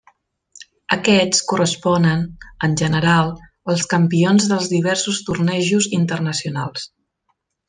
Aquests corresponen, en general, als campions dels diversos tornejos internacionals.